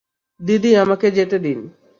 দিদি, আমাকে যেতে দিন।